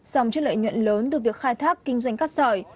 sòng trước lợi nhuận lớn từ việc khai thác kinh doanh cát sỏi